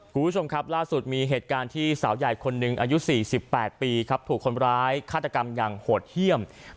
ลาดนี้ได้มีเหตุการณ์ที่สาวใหญ่เบือก๓๘ปีถูกคนร้ายคาตกรรมอย่างโหดเฮี่ยม